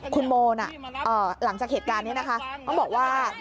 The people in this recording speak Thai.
คุณโมน่ะหลังจากเหตุการณ์นี้นะคะต้องบอกว่า